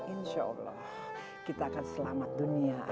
insya allah kita akan selamat dunia